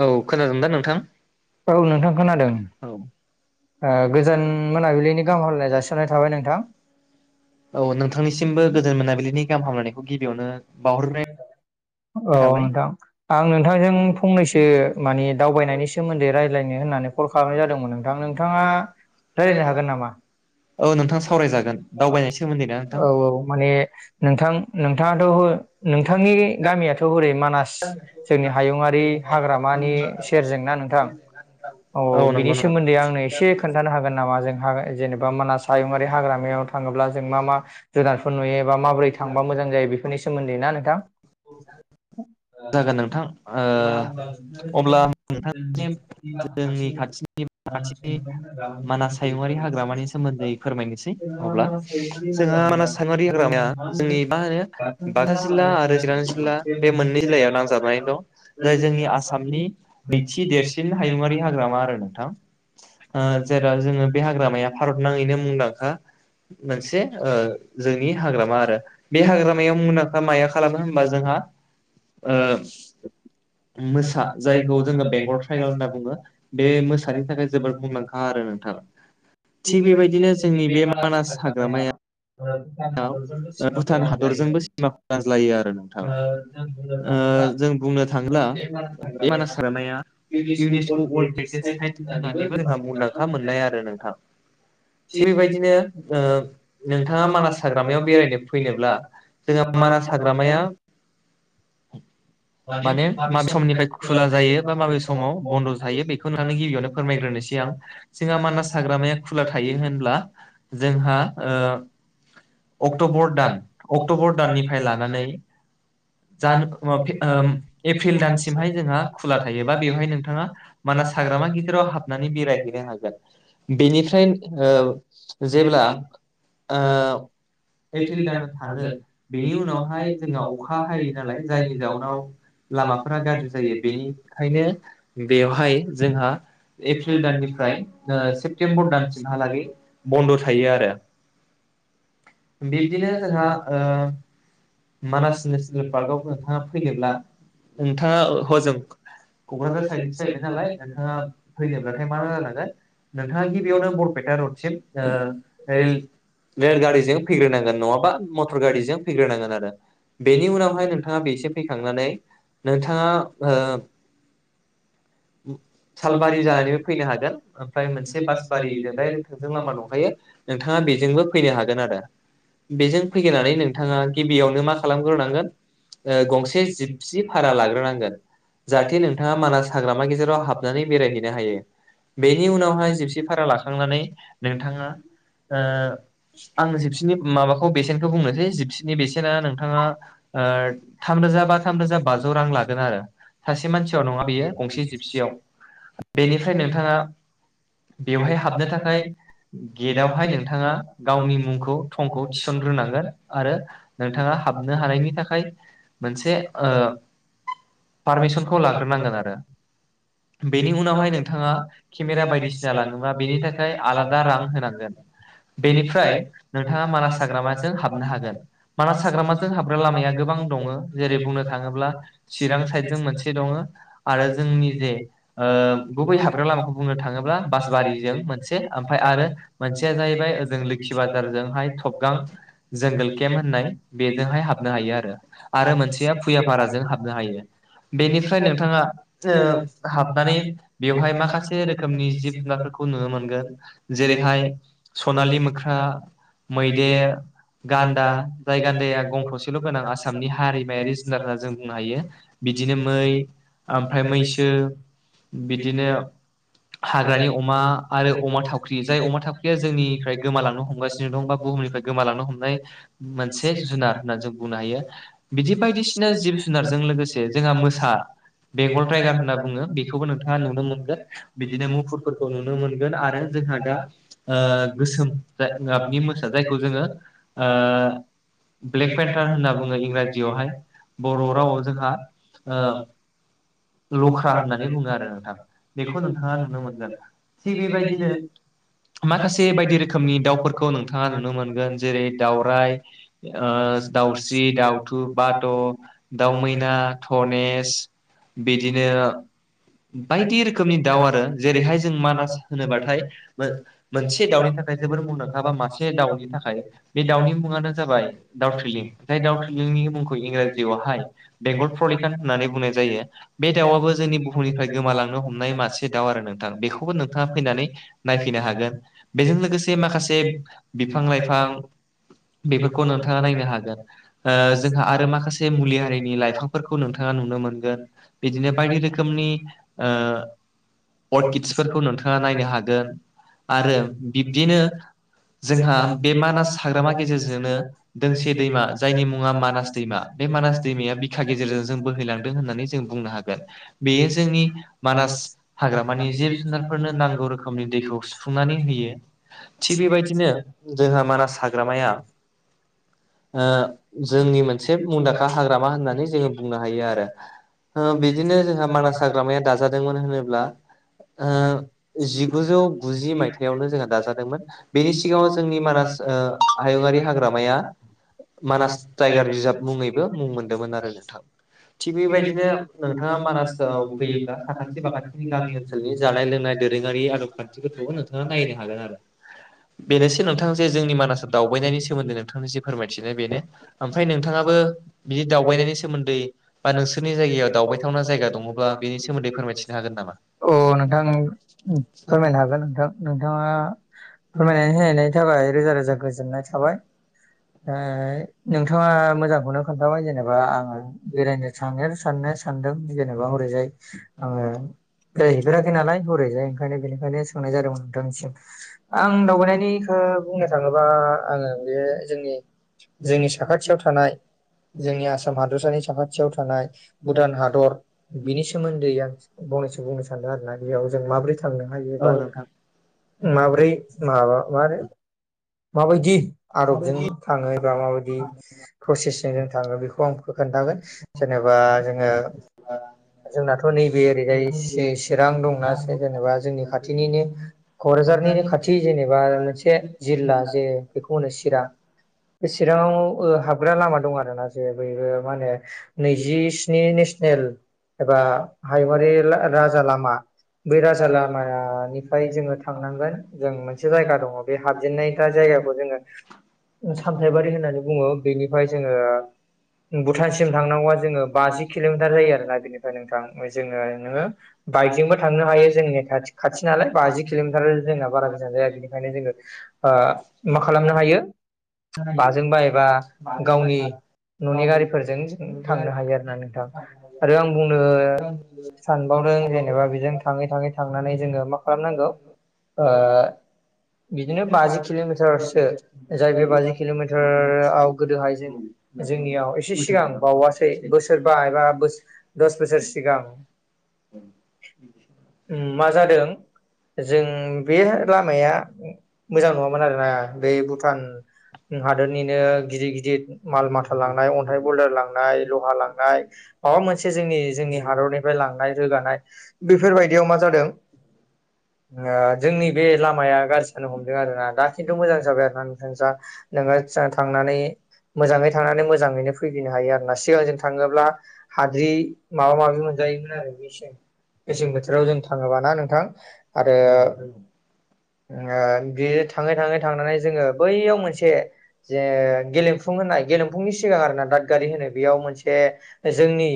औ खोनादोंना नोंथां औ नोंथां खोनादों गोजान मोनाबिलिनि गाहाम हालनाय जासिननाय थाबाय नोंथां औ नोंथांनिसिमबो गोदो मोनाबिलिनि गाहाम हामलायनायखौ गिबियावनो बावहरबाय औ नोंथां आं नोंथांजों फंनैसो माने दावबायनायनि सोमोन्दै रायज्लायनो होननानै कल खालामनाय जादोंमोन नोंथां नोंथाङा राय्लायनो हागोन नामा औ नोंथां सावरायजागोन दावबायनायनि सोमोन्दै ना नोंथां औ औ माने नोंथां नोंथाङाथ' नोंथांनि गामियाथ' ओरै मानास जोंनि हायुङारि हाग्रामानि सेरजोंना नोंथां औ बिनि नंगौ नोंथां सोमोन्दै आंनो एसे खोन्थानो हागोन नामा जोंहा जेनेबा मानास हायुंङारि हाग्रामायाव थाङोब्ला जों मा मा जुनारफोर नुयो बा माबोरै थांबा मोजां जायो बेफोरनि सोमोन्दै ना नोंथां जागोन नोंथां ओ ओ अब्ला नोंथांनि जोंनि खाथिनि खाथिनि मानास हायुङारि हाग्रामानि सोमोन्दै फोरमायनोसै अब्ला जोंहा मानास हायुङारि हाग्रामाया जोंनि मा होनो बाक्सा जिल्ला आरो चिरां जिल्ला बे मोननै जिल्लायाव नांजाबनानै दं जाय जोंनि आसामनि नैथि देरसिन हायुङारि हाग्रामा आरो नोंथां जेराव जोङो बे हाग्रामाया भारत नाङैनो मुंदांखा मोनसे ओ जोंनि हाग्रामा आरो बे हाग्रामायाव मुंदांखा माया खालामनो होनबा जोंहा ओ मोसा जायखौ जोङो बेंगल ट्राइबेल होनना बुङो बे मोसानि थाखाय जोबोद मुंदांखा आरो थिग बेबायदिनो जोंनि बे मानास हाग्रामाया भुटान हादरजोंबो सिमाखौ रानज्लायो आरो नोंथाङा ओ जों बुंनो थाङोब्ला बे मानास हाग्रामाया इउनिस्क' अल्ड पेरकेज साइट होननानैबो जोंहा मुंदांखा मोन्नाय आरो नोंथां थिग बेबायदिनो नोंथाङा मानास हाग्रायाव बेरायनो फैनोब्ला जोंहा मानास हाग्रामाया औ माने माबे समनिफ्राय खुला जायो बा माबे समाव बन्द' थायो बेखौ नोंथांनो गिबियावनो फोरमायग्रोनोसै आं जोंहा मानास हाग्रामाया खुला थायो होनब्ला जोंहा अक्टबर दान अक्ट'बर दाननिफ्राय लानानै जानो [unintelligible] ओ एप्रिल दानसिमहाय जोंहा खुला थायोबा बेवहाय नोंथाङा मानास हाग्रामा गिेजेराव हाबनानै बेरायहैनो हागोन बेनिफ्राय जेब्ला ओ दानाव थानो बेनि उनावहाय जोंहा अखा हायोै नालाय जायनि जा होनाव लामाफोरा गाज्रि जायो बेनिखायनो बेवहाय जोंहा एप्रिल दाननिफ्राय सेप्तेम्बर दानसिमहालागै बन्द' थायो आरो [unintelligible] बिबदिनो जोंहा मानास नेसनेल पार्कआव जों थां फैनोब्ला नोंथाङा हजों क'क्राझार साइदनिसो जाहैबाय नालाय नोंथाङा फैनोब्लाथाय मा जानांगोन नोंथाङा गिबियावनो बरपेटा रडसिम रेल रेलगारिजों फैग्रोनांगोन नङाबा मटर गारिजों फैग्रोनांगोन आरो बेनि उनावहाय नोंथाङा फैखांनानै नोंथाङा ओ सालबारि जानानैबो फैनो हागोन ओमफ्राय मोनसे बासबारिजों दायरेक थोंजों लामा दंखायो नोंथाङा बेजोंबो फैनो हागोन आरो बेजों फैगोननानै नोंथाङा गिबियावनो मा खालामग्रोनांगोन गंसे जिबसि भारा लाग्रोनांगोन जाहाथे नोंथाङा मानास हाग्रामा गेजेराव हाबनानै बेरायहैनो हायो बेनि उनावहाय जिबसि भारा लाखांनानै नोंथाङा ओ आं जिपसिनि माबाखौ बेसेनखौ बुंनोसै जिपसिनि बेसेना नोंथाङा ओ थामरोजा बा थामरोजा बाजौ रां लागोन आरो सासे मानसियाव नङा बियो गंसे जिबसियाव बेनिफ्राय नोंथाङा बेवहाय हाबनो थाखाय गेटावहाय नोंथाङा गावनि मुंखौ थंखौ थिसनग्रोनांगोन आरो नोंथाङा हाबनो हानायनि थाखाय मोनसे ओ पारमिसनखौ लाग्रोनांगोन आरो बेनि उनावहाय नोंथाङा केमेरा बायदिसिना लाङोबा बेनि थाखाय आलादा रां होनांगोन बेनिफ्राय नोंथाङा मानास हाग्रामाजों हाबनो हागोन मानास हाग्रामाजों हाबग्रा लामाया गोबां दं ङ जेरै बुंनो थाङोब्ला चिरां साइद जों मोनसे दङ आरो जोंनि जे ओ गुबै हाबग्रा लामाखौ बुंनो थाङोब्ला बासबारिजों मोनसे ओमफ्राय आरो मोनसेया जाहैबाय ओजों लोखि बाजारजोंहाय थबगां जोंगोल केम्प होननाय बेजोंहाय हाबनो हायो आरो आरो मोनसेया फुयाफाराजों हाबनो हायो। बेनिफ्राय नोंथाङा ओ हाबनानै बेवहाय माखासे रोखोमनि जिब जारफोरखौ नुनो मोनगोन जेरैहाय स नालि मोख्रा मैदेर गान्दा जाय गान्दाया गं थसेल' गोनां आसामनि हारिमायारि जुनार होनना जों बुंनो हायो बिदिनो मै ओमफ्राय मैसो बिदिनो हाग्रानि अमा आरो अमा थावख्रि जाय अमा थावख्रिया जोंनिफ्राय गोमालांनो हमगासिनो दं बा बुहुमनिफ्राय गोमालांनो हमनाय मोनसे जुनार होननानै जों बुंनो हायो बिदि बायदिसिना जिब जुनारजों लोगोसे जोंहा मोसा बेंगल टाइगार होनना बुङो बेखौबो नोंथाङा नुनो मोनगोन बिदिनो मुखुरफोरखौ नुनो मोनगोन आरो जोंहा दा ओ गोसोम गा गाबनि मोसा जायखौ जोङो ओ ब्लेक पेन्टार होनना बुङो इंराजियावहाय बर' रावआव जोंहा ओ लख्रा होननानै बुङो नोंथां बेखौ नोंथाङा नुनो मोनोन थि बेबायदिनो माखासे बे बायदि रोखोमनि दाउफोरखौ नोंथाङा नुनो मोनगोन जेरै दाावराइ दाउस्रि दावथु बाथ' दाउ मैना थनेस बायदि रोखोमनि दाउ आरो जेरैहाय बेदिनो जों मानास होनोबाथाय मोनसे दाउनि थाखाय जोबोर मुंदांखा बा [unintelligible] मासे दाउनि थाखाय बे दाउनि मुङानो जाबाय दाउ थ्रिलिं जाय [unintelligible] दाउ थ्रिलिंनि मुंखौ इंराजियावहाय बेंगल प्रलिकान होननानै [unintelligible] फ्राय गोमालांनो हमनाय मासे दाउ आरो नोंथां बेखौबो नोंथाङा फैनानै नायफैनो हागोन बेजों लोगोसे माखासे बिफां लाइफां बेफोरखौ नोंथाङा नायनो हागोन ओ जोंहा आरो माखासे मुलि हारिनि लाइफांफोरखौ नोंथाङा नुनो मोनगोन बेदिनो बायदि रोखोम ओ अर्किडसफोरखौ नोंथाङा नायनो हागोन आरो बिब्दिनो जोंहा बे मानास हाग्रामा गेजेरजोंनो दोंसे दैमा जायनि मुङा मानास दैमा बे मानास दैमाया बिखा गेजेरजों जों बोहैलांदों होननानै जों बुंनो हागोन बेयो जोंनि मानास हाग्रामानि जिब जुनारफोरनो नांगौ रोखोमनि दैखौ सुफुंनानै होयो थिग बेबायदिनो जोंहा मानास हाग्रामाया ओ जोंनि मोनसे मुंदांखा हाग्रामा होननानै जोङो बुंनो हायो आरो बिदिनो जोंहा मानास हाग्रामाया दाजादोंमोन होनोब्ला जिगुजौ गुजि मायथाइयावनो जोंहा दाजादोंमोन बेनि सिगाङाव जोंनि मानास हायुंआारि हाग्रामाया मानास टाइगार रिजार्भ मुङैबो मुं मोनदोंमोन आरो नोंथां थिग बेबायदिनो नोंथाङा मानास फैयोब्ला साखाथि फाखाथिनि गामि ओनसोलनि जानाय लोंनाय दोरोङारि आदब खान्थिफोरखौबो नोंथाङा नायनो हागोन आरो [unintelligible] बेनोसै नोंथां जे जोंनि मानासाव दावबायनायनि सोमोन्दै नोंथांनो जे फोरमायथिनाय बेनो ओमफ्राय नोंथाङाबो बिदि दावबायनायनि सोमोन्दै बा नोंसोरनि जायगायाव दावबायथावना जायगा अ दङ नोंथां फोरमायनो हागोन नोंथां नोंथाङा फोरमायनानै होनायनायनि थाखाय रोजा रोजा गोजोननाय थाबाय नोंथाङा मोजांखौनो खोन्थाबाय जेनेबा आङो बेरायनो थाङ साननो सानदों जेनेबा हरैजाय आङ बेरायहैफेराखै नालाय हरैजाय ओंखायनो बेनिखायनो सोंनाय जादोंमोन नोंथांनिसिम। आं दावबायनायनिखौ बुंनो थाङोबा आङो बे जोंनि जोंनि साखाथियाव थानाय जोंनि आसाम हादरसानि साखाथियाव थानाय भुटान हादर बिनि सोमोन्दै आं फंनैसो बुंनो सानदों आरोोना बेयाव जों माबोरै थांनो औ हायोबा नोंथां माब्रै माबा म माबायदि आरबजों थाङो बा माबायदि प्रसेसजों ज थाङो बेखौ आं खोन्थागोन जेनेबा जोङो द जोंनाथ' नैबे ओरैजाय चिरां दंना जेनेबा जोंनि खाथिनिनो क'क्राझारनि खाथि जेनेबा मोनसे जिल्ला जे बेखौो चिरां बे बिजाङाव हाबग्रा लामा दं आरोना जे बयबो मान होने नैजिस्नि नेसनेल एबा हायुवारि राजा लामा बै राजा लामानिफ्राय जोङो थांनांगोन जों मोनसे जायगा दङ बे हाबजेननाय द्रा जायगा द सामथायबारि होननानै बुङो बेनिफ्राय जोङो भुटानसिम थ [unintelligible] बा जो बाजि'मिटार जायो आरो बेनिफ्रायो जोङो नोङो बाइकजोंबो थांनो हायो जोंनि खा खाथि नालाय बाजि किल'मिटार जोंना बारा गोजान जाया बेनिखायनो जोङो मा खालामनो हायो बाजोंबाय एबा गावनि न'नि गारिफोरजों जों थांनो हायो आरो ना नोंथां आरो आं बुंनो सानबावदों जेनेबा बेजों थाङै थाङै थांनानै जोङो मा खालामनांगौ बिदिनो बाजि किल'मिटारसो ज बे बाजि किल'मिटारव गोदोहाय जों जोंनियाव एसे सिगां बावासै बोसोर बाबा दस बोसोर सिगां मा जादों जों बे लामाया मोजां नङामोन आरोना ब भुटान हादोरनिनो गिदिर गिदिर माल माथा लांनाय अन्थाइ बदार लांनाय लहा लांनाय माबा मोनसे जोंनि जोंनि हादरनिफ्राय लांनाय रोगानाय बेफोरबायदियाव मा जादों जोंनि बे लामाया गाज्रि सानो हमदों आर ना दा खिन्थु मोजां जाबाय आर ना जा नोङो थांनानै मोजाङै थांनानै मोजाङैनो फैफिनो हायो आरोना सिगांजों थाङोब्ला हाद्रि माबा माबि मोनजायोमोन आरो बेस मेसें बोथोराव जों थाङोबाना नोंथां आरो बि थाङै थाङै थांनानै जोङो बैयाव मोनसे जे गेलेमफुं होनाय गेलेमफुंनि सिगां आरो ना दादगारि होनो बेयाव मोनसे जोंनि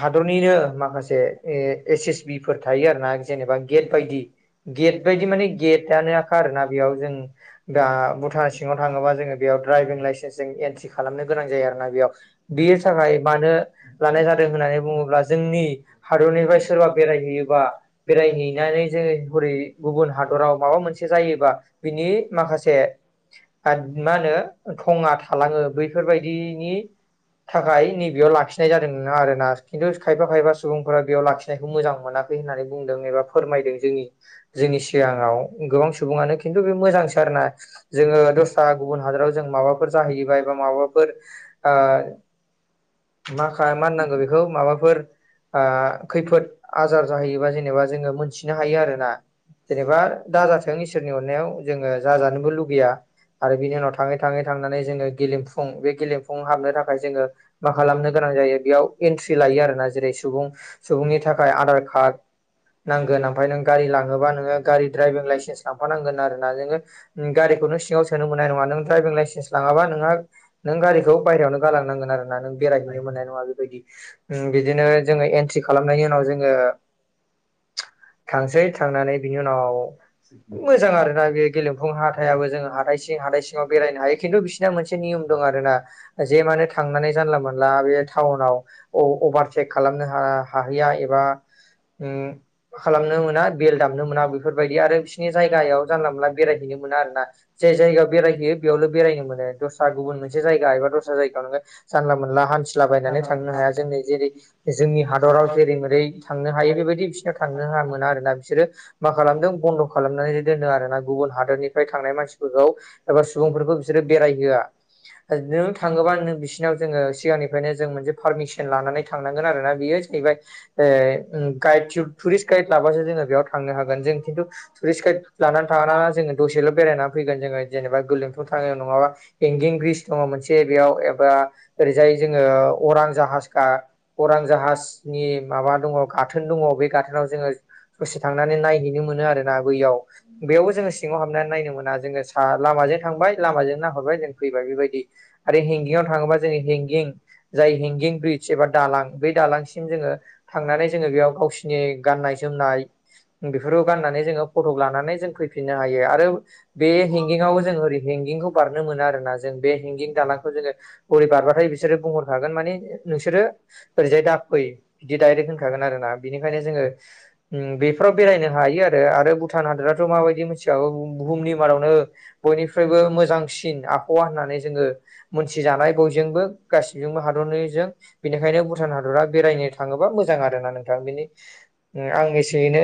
हादरनिनो माखासे एस एस बि फोर थायो आरोना जेनेबा गेट बायदि गेट बायदि माने गेटनोखा आरोोना बेयाव जों दा भुटान सिङाव थाङोबा जोङो बेयाव दड्राइभिं लाइसेन्स जों एन्ट्रि खालामनो गोनां जायो आरोोना बेयाव बे थाखाय मानो लानाय जादों होननानै बुङोब्ला जोंनि हादरनिफ्राय सोरबा बेरायहैयोबा बेरायहैनानै जोङ हरै गुबुन हादराव माबा मोनसे जायोबा बिनि माखासे मा होनो थङा थालाङो बैफोरबायदिनि थाखाय नैबेयाव लाखिनाय जादों आरोना खिन्थु खायफा खायफा सुबुंफोरा बेयाव लाखिनायखौ मोजां मोनाखै होन होननानै बुंदों एबा फोरमायदों जों जोंनि सिगाङाव गोबां सुबानो खिन्थु बे मोजांसि जोङो दस्रा गुबुन हादराव जों माबाफोर जाहैबाय बा माबाफोर म मानांगौ बेखौ माबाफोर खैफोद आजार जाहैयोबा जेनेबा जोङो मोनथिनो हायो आरोोना जेनेबा दाजाथों इसोरनि अननायाव जोङो जाजानोबो लुगैया आरो बिनि उनाव थाङै थाङै थांनानै जोङो गेलेमफुं बे गेलेमफुं हाबनो थाखाय जोङो मा खालामनो गोनां जायो बेयाव एन्ट्रि लायो आरोोना जेरै सुबुं सुबुंनि थाखाय आधार कार्ड नांगोन ओमफ्राय नों गारि लाङोबा नोङो गारि दड्राइभिं लाइसेन्स लांफानांगोन आरो [unintelligible] सोन मोननाय न द्राइभिं लाइसेनस ला नों गारिखौ बाय यावनो गालांनांगोन आरो नों बेरायहैनो मोननाय नङा बेबायदि बिदिनो जोङो एन्ट्रि खालामनायनि उनाव जोङो थांसै थांनानै बिनि उनाव मोजां आरोना बे गेलेमफुं हाथथायाबो जों हाइं हादाइ सिङाव बेरायनो हायो खिन्थु बिसिना मोनसे नियम दं आरो ना जे मानो थांनानै जानला मोनला बे टाउनाव अभारटेक खालामनो हाहैया एबा उ खालामनो मोना बेल दामनो मोना बेफोरबायदि आरो बिसिोरनि जायगायाव जानला मोनला बेरायहैनो मोन आरोना जाय जायगायाव बेरायहैयो बेयावल बेरायनो मोनो दस्रा गुबुन मोनसे जाया जनोला मोन ह फसला बायनानै थांनो हाया जोंनि जेरै जोंनि हादराव जेरै मेरै थांनो हायो बेबायदि बिसिनाव थांनो हायो मोना आरोना बिसोरो मा खालामदों बन्द' खालामनानै दोनदों आरोोना गुबुन हादरनिफ्राय थांनाय मानसिफोरखौ बा सुबुंफोरखौ बिसोरो बेरायहआ नों थाङोबा नों बिसिोरनाव जोङो सिगांनि नो जों मोनसे पारमिसन लानानै थांनांगोन आरोना बेयो जाहैबाय ग गाइड लाबोसो जोङो बेयाव थांनोागोन [unintelligible] गाइड लानानै थाङा जो दसेल' बेरायनानै फैगोन जों जेनेबा गोरलैथ थानाय नङाबा इंगिं ब्रिज दङ मोनसे बेयाव एबा ओरैजाय जोङो अरां जाहाजखा अरां जाहनि माबा दङ गाथोन दङ बे गाथोनाव [inaudible] दसे थांनानै नायहैनो मोनो आरोना बैयाव बेयावबो जोङो सिङाव हाबनानै नायनो मोना जोङो सा लामा जों थांबाय लामाजों नाहरबाय जों फैबाय बेबायदि आरो हेंगिंआव थाङोबा जों हेंगिं जाय हेंगिं ब्रिदज एबा दालां ब दालांसिम जोङो थांनानै जोङो बेयाव गावसिनि गान गाननाय जोमनाय बेफोरखौ गाननानै जोङो फटक लानानै जों फैफिननो हायो आरो बे हेंगिंआव जों ओरै हें खौ बारनो मोन आरोा ज बेिं दालांखौ ज गै बारबथाय नोंसोरो बुंहरखागोन माने नोंसोरो ओरैजाय दाफै बिदि दडाइरेक्ट होनखागोन आरो ना बिनिखायनो जोङो बेफोराव बेरायनो हायो आरो भुटान हादोराथ' माबायदि मिथिखागौ बुहुमनि माव बयनिखफ्रायबो मोजांसिन आबहावा होननानै जोङो मोनथिजानाय बयजोंबो जोंबो हादरनिजों बेनिखायनो भुटान हादरा बेरायनो थाङोबा मोजां आरो ना नोंथां बेनि आं एसेयैनो